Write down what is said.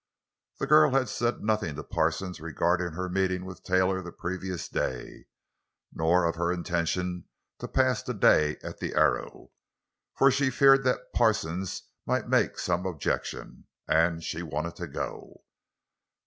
The girl had said nothing to Parsons regarding her meeting with Taylor the previous day, nor of her intention to pass the day at the Arrow. For she feared that Parsons might make some objection—and she wanted to go.